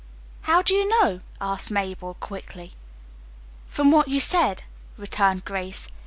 "How do you know?" asked Mabel quickly. "From what you said," returned Grace.